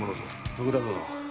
徳田殿。